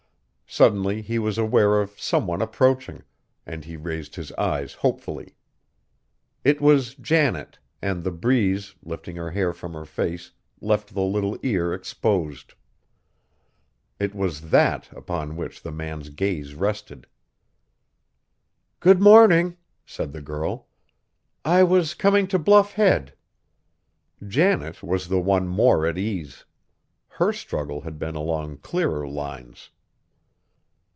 Suddenly he was aware of some one approaching, and he raised his eyes hopefully. It was Janet, and the breeze, lifting her hair from her face, left the little ear exposed. It was that upon which the man's gaze rested! "Good morning," said the girl, "I was coming to Bluff Head." Janet was the one more at ease. Her struggle had been along clearer lines.